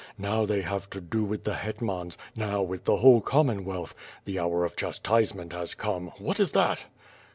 Now they have to do with the hetmans, now with the whole Commonwealth. The hour of chastisement has come! What is that?"